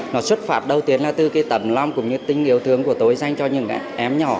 nó xuất phát đầu tiên là từ cái tầm long cũng như tình yêu thương của tôi dành cho những em nhỏ